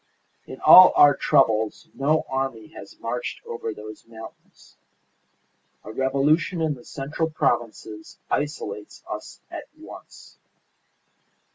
In all our troubles no army has marched over those mountains. A revolution in the central provinces isolates us at once.